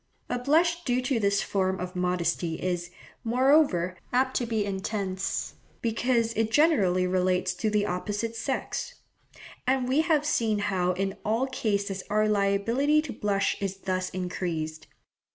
A blush due to this form of modesty is, moreover, apt to be intense, because it generally relates to the opposite sex; and we have seen how in all cases our liability to blush is thus increased.